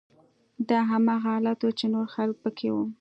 دا هماغه حالت و چې نور خلک پکې وو